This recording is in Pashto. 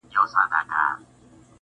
تازه هوا-